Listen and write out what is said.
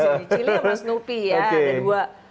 chili sama snoopy ya ada dua